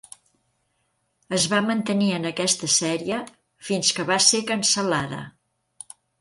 Es va mantenir en aquesta sèrie, fins que va ser cancel·lada.